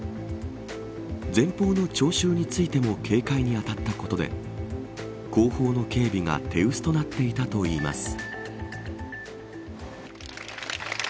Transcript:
前方の聴衆についても警戒に当たったことで後方の警備が手薄となっていたといいます。